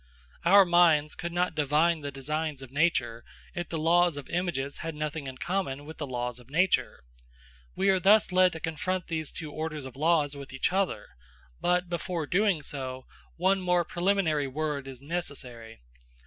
Our minds could not divine the designs of nature, if the laws of images had nothing in common with the laws of nature. We are thus led to confront these two orders of laws with each other; but, before doing so, one more preliminary word is necessary.